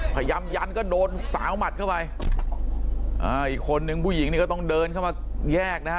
ยันก็โดนสาวหมัดเข้าไปอ่าอีกคนนึงผู้หญิงนี่ก็ต้องเดินเข้ามาแยกนะฮะ